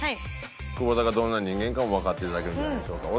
久保田がどんな人間かもわかっていただけるんじゃないでしょうか。